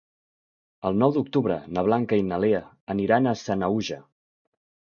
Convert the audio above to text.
El nou d'octubre na Blanca i na Lea aniran a Sanaüja.